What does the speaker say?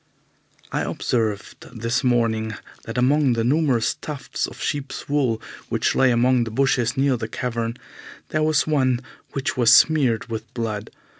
I observed this morning that among the numerous tufts of sheep's wool which lay among the bushes near the cavern there was one which was smeared with blood.